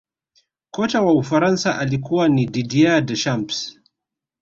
kocha wa ufaransa alikuwa ni didier deschamps